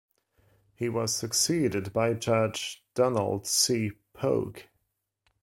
He was succeeded by Judge Donald C. Pogue.